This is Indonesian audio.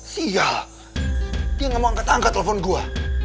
sial dia gak mau angkat angkat telepon gue